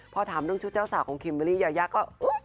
พอถามด้วยชุดเจ้าสาวของคิมเวรี่ยาวก็